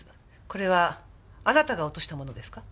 これはあなたが落としたものですか？